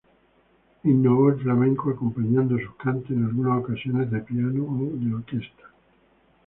Innovó el flamenco acompañando sus cantes en algunas ocasiones de piano o de orquesta.